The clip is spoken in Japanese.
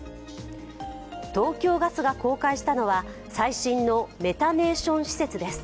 東京ガスが公開したのは最新のメタネーション施設です。